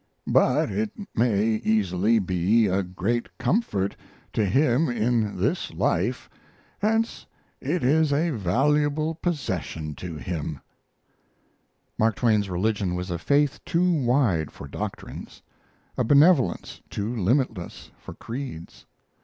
But it may easily be a great comfort to him in this life hence it is a valuable possession to him. Mark Twain's religion was a faith too wide for doctrines a benevolence too limitless for creeds.